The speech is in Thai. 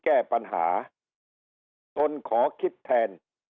มีปัญหาต้นขอคิดแทน